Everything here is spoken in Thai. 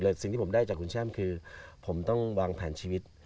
แต่สิ่งที่ผมได้จากคุณแช่มคือผมต้องวางแผนชีวิต